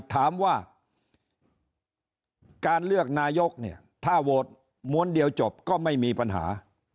ถามว่าการเลือกนายกเนี่ยถ้าโหวตม้วนเดียวจบก็ไม่มีปัญหา